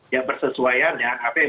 ya bersesuaian dengan apa yang